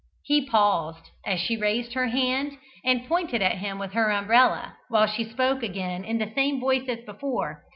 He paused, as she raised her hand and pointed at him with her umbrella, while she spoke again in the same voice as before.